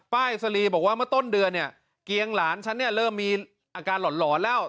ป้าอิสลีบอกว่าเมื่อต้นเดือนเกียงหลานฉันเริ่มมีอาการหล่อนแล้ว